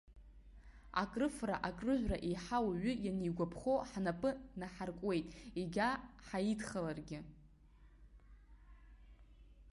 Акрыфара-акрыжәра еиҳа уаҩы ианигәаԥхо ҳнапы наҳаркуеит, егьа ҳаидхаларгьы.